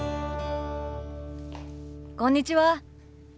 こんにちは。